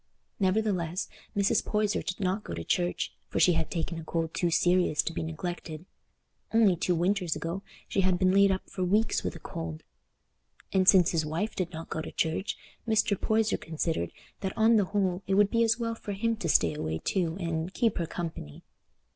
Nevertheless, Mrs. Poyser did not go to church, for she had taken a cold too serious to be neglected; only two winters ago she had been laid up for weeks with a cold; and since his wife did not go to church, Mr. Poyser considered that on the whole it would be as well for him to stay away too and "keep her company."